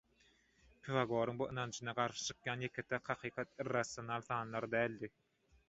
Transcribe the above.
Pifagoryň bu ynanjyna garşy çykýan ýeke-täk hakykat irrasional sanlar däldi.